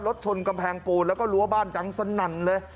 ชนกำแพงปูนแล้วก็รั้วบ้านดังสนั่นเลย